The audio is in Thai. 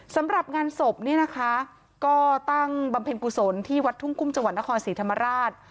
สำหรับงานศพเนี่ยนะคะก็ตั้งบำเพ็ญกุศลที่วัดทุ่งกุ้มจังหวัดนครศรีธรรมราช